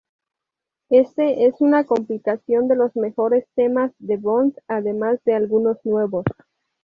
Este, es una compilación de los mejores temas de Bond además de algunos nuevos.